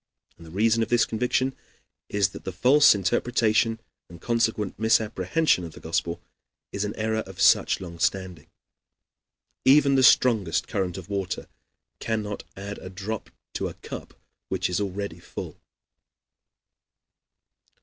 And the reason of this conviction is that the false interpretation and consequent misapprehension of the Gospel is an error of such long standing. Even the strongest current of water cannot add a drop to a cup which is already full.